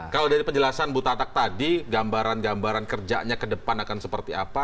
kalau dari penjelasan bu tatak tadi gambaran gambaran kerjanya ke depan akan seperti apa